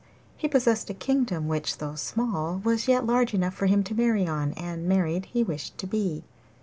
He possessed a kingdom which, though small, was yet large enough for him to marry on, and married he wished to be.